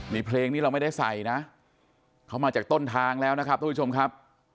นี่เพลงนี้เราไม่ได้ใส่นะเขามาจากต้นทางแล้วนะครับทุกผู้ชมครับ